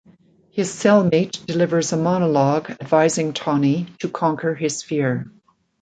His cell-mate delivers a monologue advising Tonny to conquer his fear.